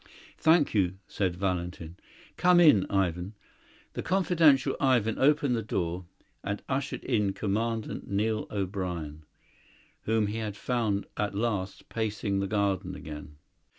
"Thank you," said Valentin. "Come in, Ivan." The confidential Ivan opened the door and ushered in Commandant Neil O'Brien, whom he had found at last pacing the garden again.